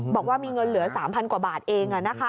บอกว่ามีเงินเหลือ๓๐๐กว่าบาทเอง